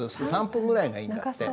３分ぐらいがいいんだって。